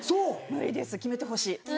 無理です決めてほしい。